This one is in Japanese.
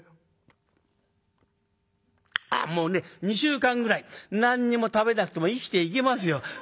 「もうね２週間ぐらい何にも食べなくても生きていけますよ。